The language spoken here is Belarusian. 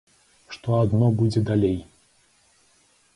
Што адно будзе далей!